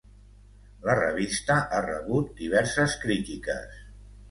La revista ha rebut diverses crítiques.